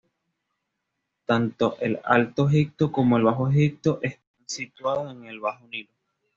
Tanto el Alto Egipto como el Bajo Egipto están situados en el Bajo Nilo.